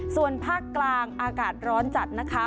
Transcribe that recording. ส่วนภาคกลางอากาศร้อนจัดนะคะ